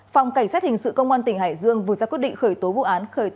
phòng cảnh sát hình sự công an tỉnh hải dương vừa ra quyết định khởi tố vụ án